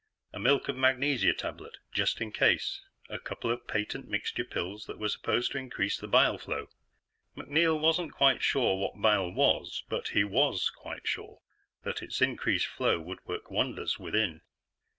A milk of magnesia tablet, just in case. A couple of patent mixture pills that were supposed to increase the bile flow. (MacNeil wasn't quite sure what bile was, but he was quite sure that its increased flow would work wonders within.)